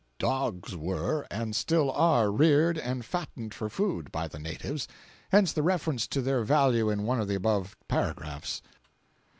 Dogs were, and still are, reared and fattened for food, by the natives—hence the reference to their value in one of the above paragraphs.